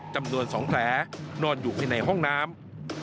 จำนวน๒แผลนอนอยู่ภายในห้องน้ำ